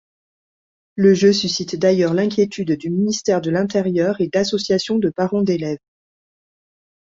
Le jeu suscite d'ailleurs l'inquiétude du ministère de l'Intérieur et d'associations de parents d'élèves.